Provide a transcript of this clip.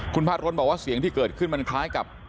คุณพระรนบอกว่าเสียงที่เกิดขึ้นมันคล้ายกับ